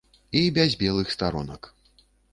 І без белых старонак.